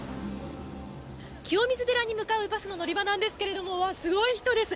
清水寺に向かうバスの乗り場なんですけれどもすごい人です。